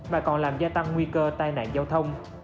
mà còn làm gia tăng nguy cơ tai nạn giao thông